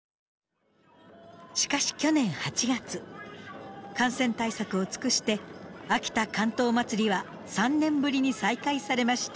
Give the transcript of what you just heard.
しかし去年８月感染対策を尽くして秋田竿燈まつりは３年ぶりに再開されました。